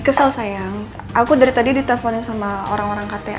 aku keluar dari direktur saya terlemah bersama pengis global